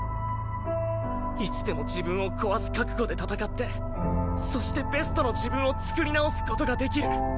いつでも自分を壊す覚悟で戦ってそしてベストの自分を創り直す事ができる。